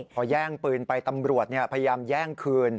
พอแย่งปืนไปตำรวจพยายามแย่งคืน